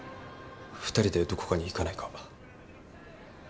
２人でどこかに行かないか？